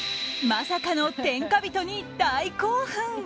まさかの天下人に大興奮。